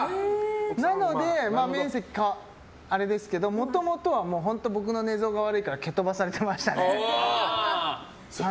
なので、面積あれですけどもともとは、僕の寝相が悪いから蹴飛ばされてましたね。